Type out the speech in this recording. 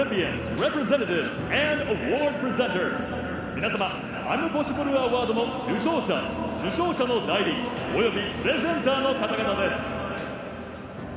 皆様アイムポッシブル・アワードの受賞者、受賞者の代理およびプレゼンターの方々です。